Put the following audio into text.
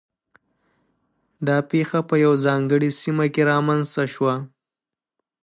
دا پېښه په یوه ځانګړې سیمه کې رامنځته شوه